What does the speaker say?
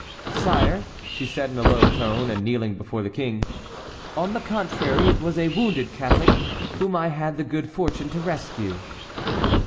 "Sire," she said in a low tone, and kneeling before the King, "on the contrary, it was a wounded Catholic whom I had the good fortune to rescue."